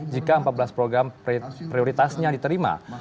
jika empat belas program prioritasnya diterima